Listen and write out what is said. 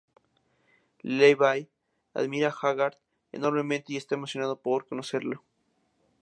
Levi admira a Haggard enormemente y está emocionado por conocerle.